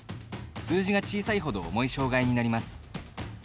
数字が小さいほど重い障がいになります。